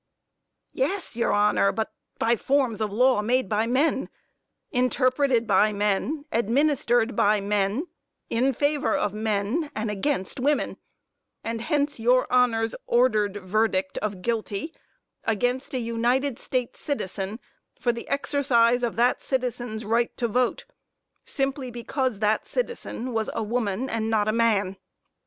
MISS ANTHONY Yes, your honor, but by forms of law all made by men, interpreted by men, administered by men, in favor of men, and against women; and hence, your honor's ordered verdict of guilty, against a United States citizen for the exercise of "that citizen's right to vote," simply because that citizen was a woman and not a man.